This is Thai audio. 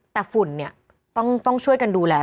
แต่ฝุ่นต้องช่วยกันดูแล